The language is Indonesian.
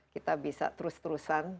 kita bisa terus terusan